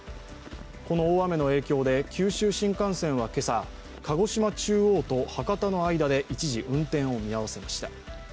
この大雨の影響で九州新幹線は今朝、鹿児島中央と博多の間で一時運転を見合わせました。